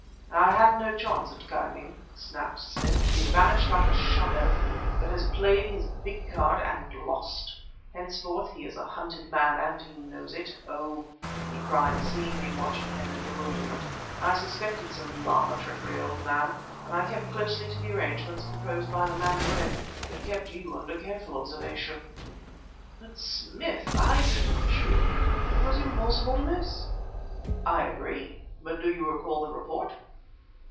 "I had no chance at Ki Ming," snapped Smith. "He vanished like a shadow. But has has played his big card and lost! Henceforth he is a hunted man; and he knows it! Oh!" he cried, seeing me watching him in bewilderment, "I suspected some Lama trickery, old man, and I stuck closely to the arrangements proposed by the mandarin, but kept you under careful observation!" "But, Smith I shot you! It was impossible to miss!" "I agree. But do you recall the _report?